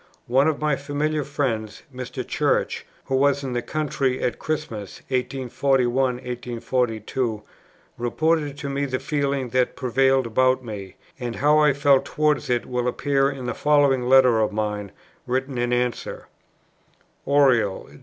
One of my familiar friends, Mr. Church, who was in the country at Christmas, 1841 2, reported to me the feeling that prevailed about me; and how I felt towards it will appear in the following letter of mine, written in answer: "Oriel, Dec.